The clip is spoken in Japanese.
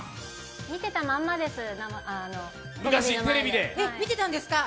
見てたまんまです。